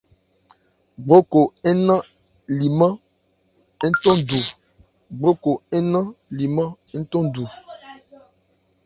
Gbrokò nnán limán ntɛnndu.